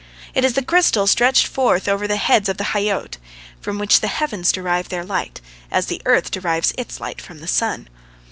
It is the crystal stretched forth over the heads of the Hayyot, from which the heavens derive their light, as the earth derives its light from the sun.